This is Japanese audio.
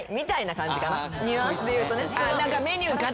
ニュアンスで言うとね。